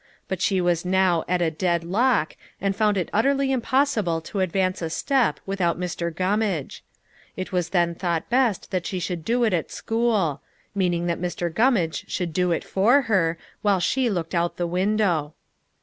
But she was now "at a dead lock," and found it utterly impossible to advance a step without Mr. Gummage. It was then thought best that she should do it at school meaning that Mr. Gummage should do it for her, while she looked out the window.